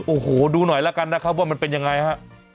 โอ้โหดูหน่อยกันว่ามันเป็นยังไงฮะ